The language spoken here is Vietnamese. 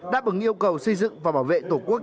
đáp ứng yêu cầu xây dựng và bảo vệ tổ quốc